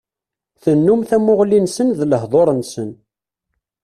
Tennum tamuɣli-nsen d lehdur-nsen.